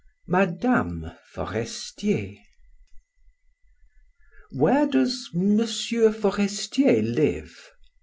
MADAME FORESTIER "Where does M. Forestier live?"